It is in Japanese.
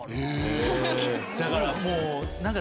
だからもう何か。